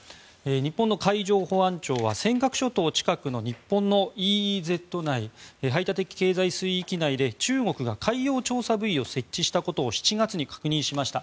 日本の海上保安庁は尖閣諸島近くの日本のＥＥＺ内排他的経済水域内で中国が海洋調査ブイを設置したことを７月に確認しました。